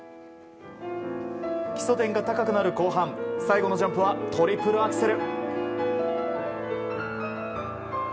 基礎点が高くなる後半最後のジャンプはトリプルアクセル。